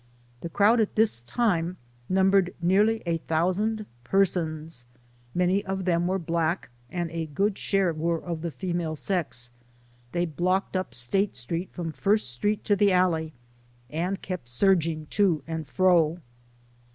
The crowd at this time numbered nearly a thousand persons. Many of them were black, and a good share were of the female sex. They blocked up State Street from First Street to the alley, and kept surging to and fro.